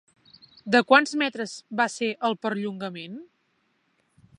De quants metres va ser el perllongament?